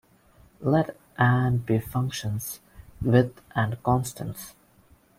Let and be functions, with and constants.